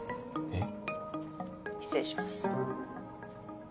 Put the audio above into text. えっ？